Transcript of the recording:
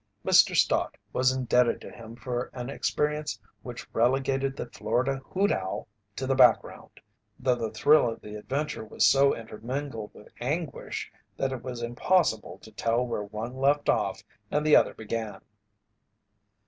Mr. Stott was indebted to him for an experience which relegated the Florida hoot owl to the background, though the thrill of the adventure was so intermingled with anguish that it was impossible to tell where one left off and the other began.